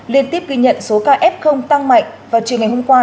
liên tiếp ghi nhận số ca f tăng mạnh và truyền hành hôm qua